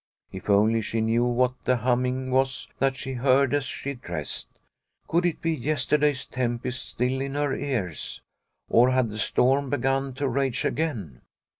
If only she knew what the humming was that she heard as she dressed. Could it be yesterday's tempest still in her ears ? or had the storm be gun to rage again